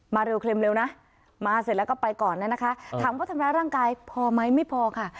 เร็วเคลมเร็วนะมาเสร็จแล้วก็ไปก่อนแล้วนะคะถามว่าทำร้ายร่างกายพอไหมไม่พอค่ะ